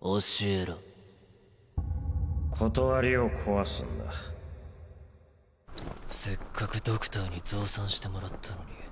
教えろ理を壊すんだ折角ドクターに増産してもらったのに。